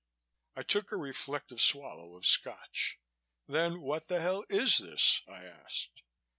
I took a reflective swallow of Scotch. "Then what the hell is this?" I asked.